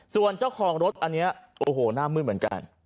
ส่วนเจ้าของรถอันนี้โอ้โหหน้ามืดเหมือนกัน